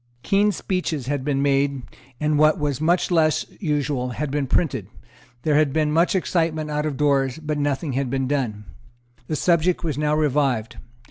Keen speeches had been made, and, what was much less usual, had been printed; there had been much excitement out of doors; but nothing had been done. The subject was now revived.